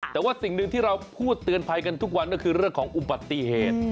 แต่ว่าสิ่งหนึ่งที่เราพูดเตือนภัยกันทุกวันก็คือเรื่องของอุบัติเหตุ